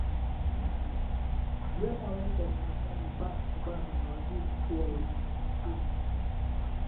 wakiwemo rais wa marekani barack obama na waziri mkuu wa uingereza david cameron